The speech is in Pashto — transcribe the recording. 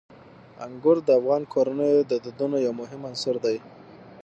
انګور د افغان کورنیو د دودونو یو مهم عنصر دی.